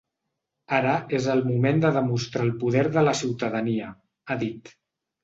Ara és el moment de demostrar el poder de la ciutadania, ha dit.